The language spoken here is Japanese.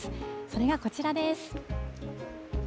それがこちらです。